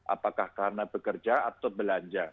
apakah karena bekerja atau belanja